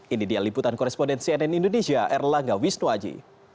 ini dia liputan koresponden cnn indonesia erlangga wisnuaji